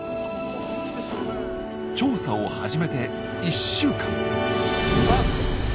調査を始めて１週間。